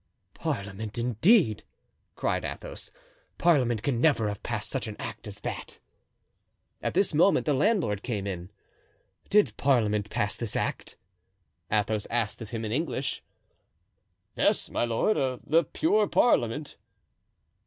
"Parliament indeed!" cried Athos. "Parliament can never have passed such an act as that." At this moment the landlord came in. "Did parliament pass this act?" Athos asked of him in English. "Yes, my lord, the pure parliament."